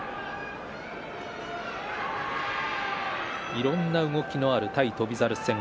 いろんな動きがある対翔猿戦。